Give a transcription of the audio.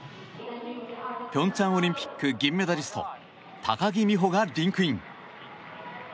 平昌オリンピック銀メダリスト高木美帆がリンクイン。